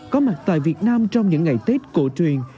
có mặt tại việt nam trong những ngày tết cổ truyền